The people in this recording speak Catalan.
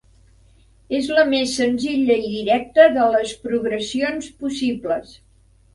És la més senzilla i directa de les progressions possibles.